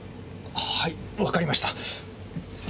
はいわかりました！